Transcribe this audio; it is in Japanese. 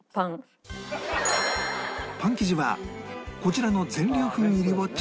パン生地はこちらの全粒粉入りをチョイス